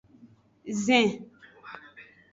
Zin.